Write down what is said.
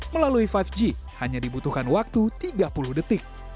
melalui lima g hanya dibutuhkan waktu tiga puluh detik